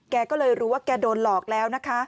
แกก็เลยรู้ว่าแกโดนหลอกแล้วนะคะ